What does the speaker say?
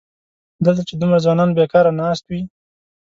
دلته چې دومره ځوانان بېکاره ناست وي.